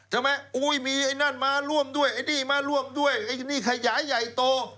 ทำไมอุ้ยมีไอ้นั่นมาร่วมด้วยไอ้นี่มาร่วมด้วยไอ้นี่ขยายใหญ่โต